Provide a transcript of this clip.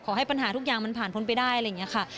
ขอให้ปัญหาทุกอย่างมันผ่านพ้นไปได้อะไรอย่างนี้ค่ะ